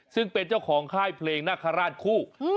ซึ่งเป็นเจ้าของค่ายเพลงนาคาราชคู่